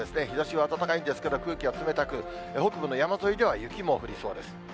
日ざしは暖かいですけど、空気は冷たく、北部の山沿いでは雪も降りそうです。